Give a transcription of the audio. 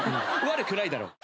悪くないだろう。